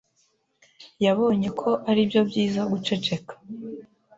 Yabonye ko ari byiza guceceka.